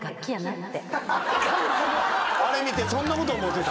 あれ見てそんなこと思てた？